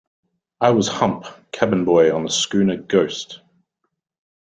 I was Hump, cabin boy on the schooner Ghost.